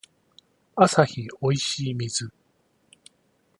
アサヒおいしい水